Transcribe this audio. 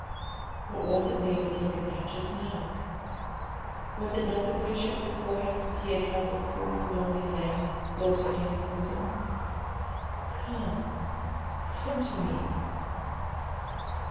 "' What was it made her think of that just now? Was it not the Good Shepherd's voice, as He held the poor lonely lamb closer to His bosom? 'Come, come to Me.'